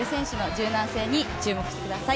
柔軟性に注目してください。